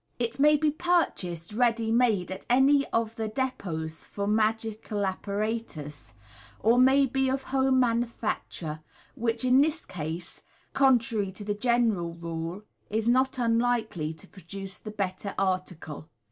It may be purchased ready made at any of the depots for magics' apparatus, or may be of home manufacture, which in this case (contrary to the general rule) is not unlikely to produce the better article.